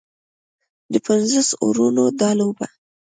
د پنځوسو اورونو دا لوبه